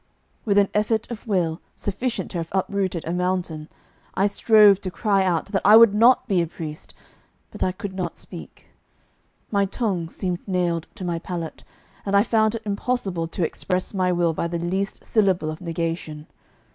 With an effort of will sufficient to have uprooted a mountain, I strove to cry out that I would not be a priest, but I could not speak; my tongue seemed nailed to my palate, and I found it impossible to express my will by the least syllable of negation.